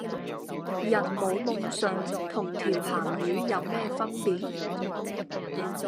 人冇夢想同條咸魚有咩分別?